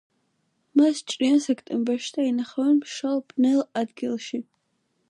მას ჭრიან სექტემბერში და ინახავენ მშრალ, ბნელ ადგილში.